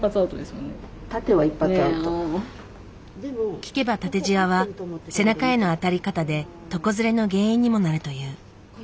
聞けば縦ジワは背中への当たり方で床ずれの原因にもなるという。